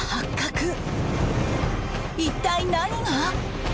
一体何が？